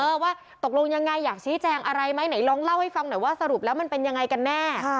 ว่าตกลงยังไงอยากชี้แจงอะไรไหมไหนลองเล่าให้ฟังหน่อยว่าสรุปแล้วมันเป็นยังไงกันแน่